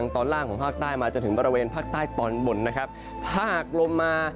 ตอนล่างของภาคใต้มาจนถึงบริเวณภาคใต้ตอนบนนะครับภาคลมมา